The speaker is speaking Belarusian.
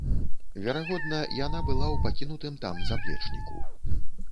Верагодна, яна была ў пакінутым там заплечніку.